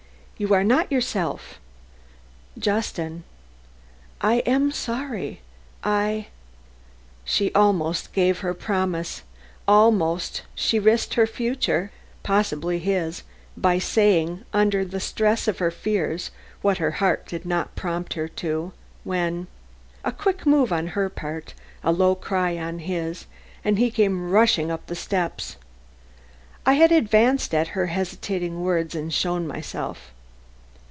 "You are not yourself, Justin. I am sorry. I I " Almost she gave her promise, almost she risked her future, possibly his, by saying, under the stress of her fears, what her heart did not prompt her to, when A quick move on her part, a low cry on his, and he came rushing up the steps. I had advanced at her hesitating words and shown myself.